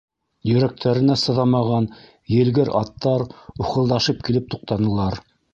Йөрәктәренә сыҙамаған елгер аттар ухылдашып килеп туҡтанылар.